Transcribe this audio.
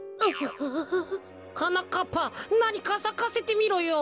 はなかっぱなにかさかせてみろよ。